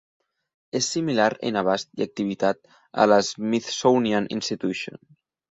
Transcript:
És similar en abast i activitat a la Smithsonian Institution.